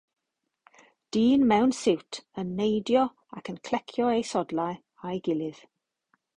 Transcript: Dyn mewn siwt yn neidio ac yn clecio ei sodlau â'i gilydd.